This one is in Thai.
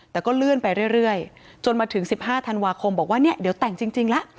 แต่ก็เลื่อนไปเรื่อยจนมาถึง๑๕ธันวาคมบอกว่าเนี่ยเดี๋ยวแต่งจริงแล้ว